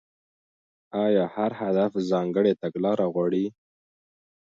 ايا هر هدف ځانګړې تګلاره غواړي؟